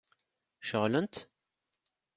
Ceɣlent?